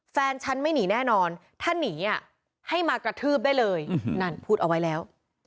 แฟนฉันไม่หนีแน่นอนถ้าหนีให้มากระทืบได้เลยนั่นพูดเอาไว้แล้ว